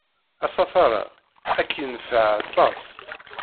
Asafar-a ad k-yenfeɛ aṭas.